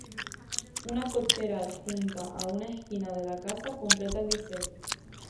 Una cochera adjunta a una esquina de la casa completa el diseño.